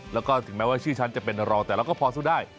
แล้วก็ถึงแม้ว่าชื่อฉันจะเป็นรองแต่เราก็พอสู้ได้